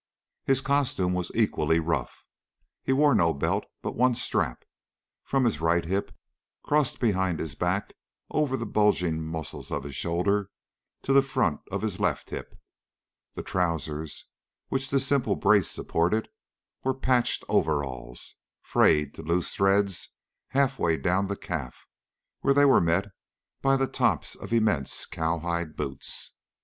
His costume was equally rough. He wore no belt, but one strap, from his right hip, crossed behind his back, over the bulging muscles of his shoulder to the front of his left hip. The trousers, which this simple brace supported, were patched overalls, frayed to loose threads halfway down the calf where they were met by the tops of immense cowhide boots.